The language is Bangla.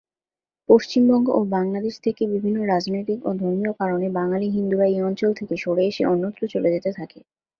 পশ্চিমবঙ্গ এবং বাংলাদেশ থেকে বিভিন্ন রাজনৈতিক ও ধর্মীয় কারণে বাঙালি হিন্দুরা এই অঞ্চল থেকে সরে এসে অন্যত্র চলে যেতে থাকে।